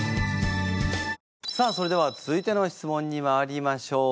さあそれでは続いての質問にまいりましょう！